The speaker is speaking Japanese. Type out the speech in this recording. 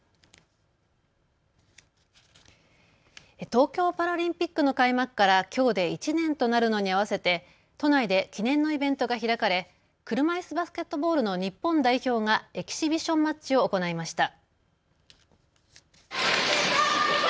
東京パラリンピックの開幕からきょうで１年となるのに合わせて都内で記念のイベントが開かれ車いすバスケットボールの日本代表がエキシビションマッチを行いました。